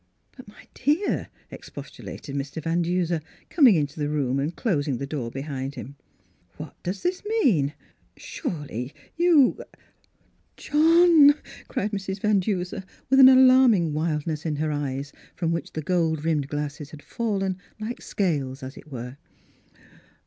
" But my dear," expostulated Mr. Van Duser, coming into the room and closing the door behind him. "What does this mean.? Surely, you —"" John 1 " cried Mrs. Van Duser, with an alarming wildness in her eyes, from which the gold rimmed glasses had fallen, like scales, as it were.